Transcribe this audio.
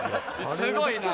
すごいな。